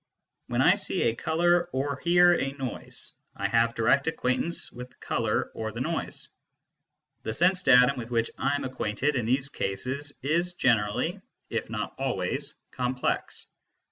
When I see a colour or hear a noise, I have direct acquaintance with the colour or the noise. The sense datum with which I am acquainted in these cases is generally, if not always, complex.